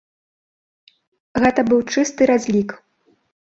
Гэта быў чысты разлік.